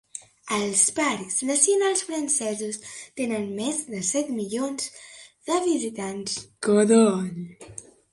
Els parcs nacionals francesos tenen més de set milions de visitants cada any.